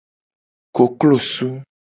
Koklosu.